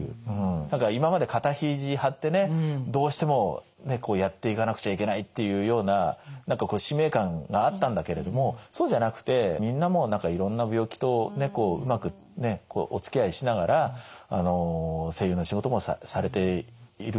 何か今まで肩肘張ってねどうしてもやっていかなくちゃいけないっていうような何かこう使命感があったんだけれどもそうじゃなくてみんなも何かいろんな病気とねうまくねおつきあいしながら声優の仕事もされているし。